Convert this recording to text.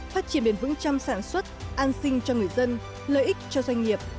phát triển bền vững chăm sản xuất an sinh cho người dân lợi ích cho doanh nghiệp